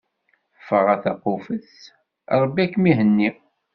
Ffeɣ a taqufet, Ṛebbi ad kem-ihenni.